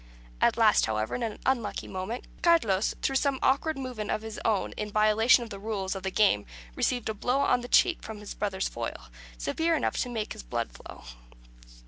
At last, however, in an unlucky moment, Carlos, through some awkward movement of his own in violation of the rules of the game, received a blow on the cheek from his brother's foil, severe enough to make the blood flow.